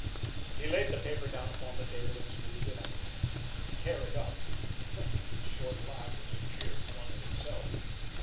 He laid the paper down upon the table, and smoothed it out. Tear it up! His short laugh was a jeer flung at himself.